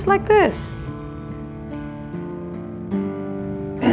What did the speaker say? kenapa selalu begini